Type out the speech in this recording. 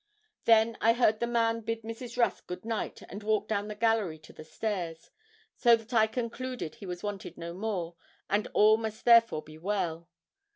Then I heard the man bid Mrs. Rusk good night and walk down the gallery to the stairs, so that I concluded he was wanted no more, and all must therefore be well.